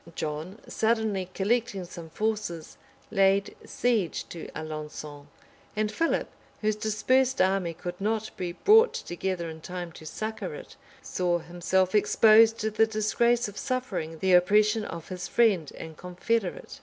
John, suddenly collecting some forces, laid siege to Alençon; and Philip, whose dispersed army could not be brought together in time to succor it, saw himself exposed to the disgrace of suffering the oppression of his friend and confederate.